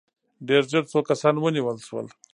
ډېر ژر څو کسان ونیول شول.